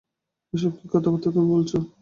এসব কী কথাবার্তা তুমি বলছ?